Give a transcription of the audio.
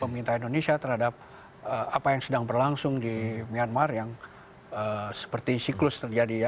pemerintah indonesia terhadap apa yang sedang berlangsung di myanmar yang seperti siklus terjadi